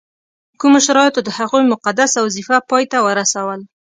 کومو شرایطو د هغوی مقدسه وظیفه پای ته ورسول.